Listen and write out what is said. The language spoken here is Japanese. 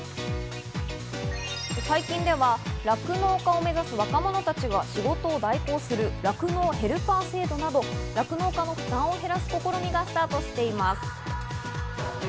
最近では酪農家を目指す若者たちが仕事を代行する酪農ヘルパー制度など、酪農家の負担を減らす試みがスタートしています。